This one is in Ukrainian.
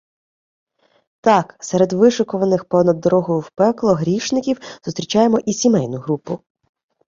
Так, серед вишикуваних понад дорогою в пекло грішників зустрічаємо і "сімейну групу".